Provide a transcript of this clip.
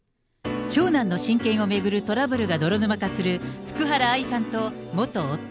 長男の親権を巡るトラブルが泥沼化する福原愛さんと元夫。